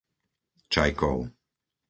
Čajkov